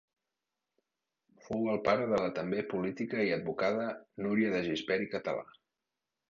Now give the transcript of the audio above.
Fou el pare de la també política i advocada Núria de Gispert i Català.